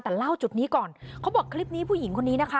แต่เล่าจุดนี้ก่อนเขาบอกคลิปนี้ผู้หญิงคนนี้นะคะ